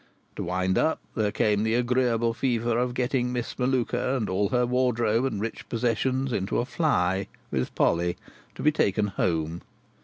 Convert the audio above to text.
To wind up, there came the agreeable fever of getting Miss Melluka and all her wardrobe and rich possessions into a fly with Polly, to be taken home.